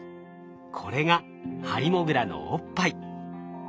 これがハリモグラのおっぱい。